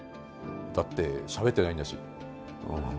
だってしゃべってないんだし。